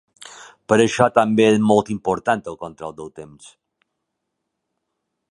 Per això també és molt important el control del temps.